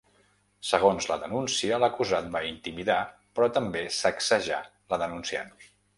Segons la denúncia, l’acusat va intimidar però també sacsejar la denunciant.